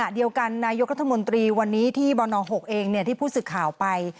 เดียวกันนายกรัฐมนตรีวันนี้ที่บน๖เองที่ผู้สื่อข่าวไป